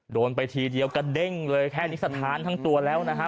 โดนไปทีเดียวกระเด้งเลยแค่นิสถานทั้งตัวแล้วนะฮะ